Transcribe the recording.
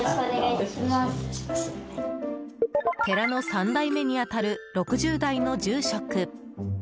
寺の３代目に当たる６０代の住職。